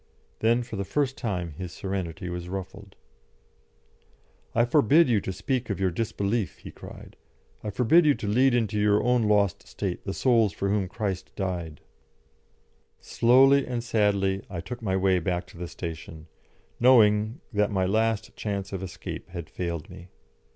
Then for the first time his serenity was ruffled. "I forbid you to speak of your disbelief," he cried. "I forbid you to lead into your own lost state the souls for whom Christ died." [Illustration: THOMAS SCOTT.] Slowly and sadly I took my way back to the station, knowing that my last chance of escape had failed me.